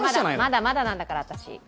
まだまだなんだから、私。